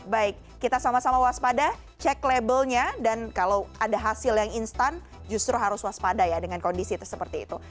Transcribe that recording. baik kita sama sama waspada cek labelnya dan kalau ada hasil yang instan justru harus waspada ya dengan kondisi seperti itu